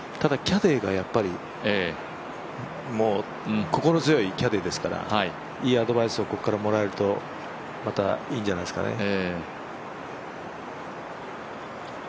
キャディーがやっぱり心強いキャディーですからいいアドバイスをここからもらえるとまたいいんじゃないですかね。